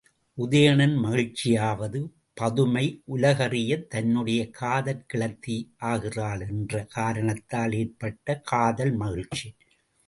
உதயணன் மகிழ்ச்சியாவது பதுமை உலகறியத் தன்னுடைய காதற்கிழத்தி ஆகிறாள் என்ற காரணத்தால் ஏற்பட்ட காதல் மகிழ்ச்சி.